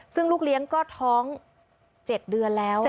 ซึ่งลูกเลี้ยงก็ท้อง๗เดือนแล้ว